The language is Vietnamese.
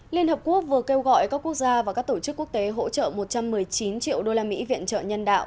liên hợp quốc vừa kêu gọi các quốc gia và các tổ chức quốc tế hỗ trợ một trăm một mươi chín triệu usd viện trợ nhân đạo